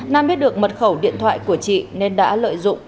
nam biết được mật khẩu điện thoại của chị nên đã lợi dụng